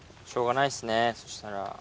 しょうがないですねそしたら。